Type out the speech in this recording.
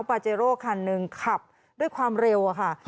ปาเจโร่คันหนึ่งขับด้วยความเร็วอะค่ะ